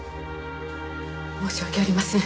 申し訳ありません。